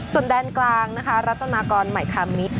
ส่วนแดนกลางนะคะรัฐนากรใหม่คามิตร